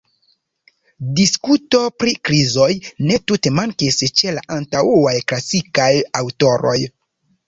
Diskuto pri krizoj ne tute mankis ĉe la antaŭaj klasikaj aŭtoroj.